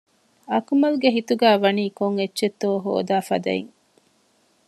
އަކުމަލްގެ ހިތުގައިވަނީ ކޮންއެއްޗެއްތޯ ހޯދާ ފަދައިން